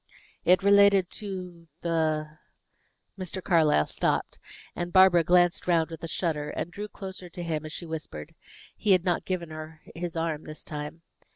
"It related to the " Mr. Carlyle stopped, and Barbara glanced round with a shudder, and drew closer to him as she whispered. He had not given her his arm this time.